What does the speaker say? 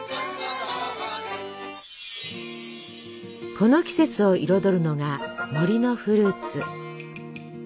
この季節を彩るのが森のフルーツ。